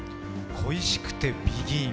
「恋しくて」